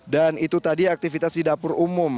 dan itu tadi aktivitas di dapur umum